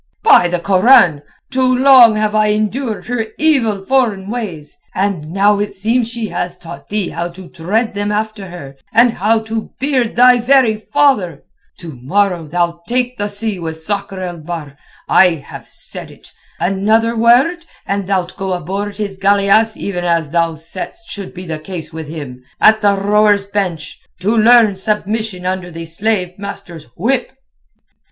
By the Koran! too long have I endured her evil foreign ways, and now it seems she has taught thee how to tread them after her and how to beard thy very father! To morrow thou'lt take the sea with Sakr el Bahr, I have said it. Another word and thou'lt go aboard his galeasse even as thou saidst should be the case with him—at the rowers' bench, to learn submission under the slave master's whip."